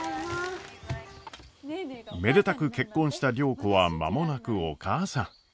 めでたく結婚した良子は間もなくお母さん。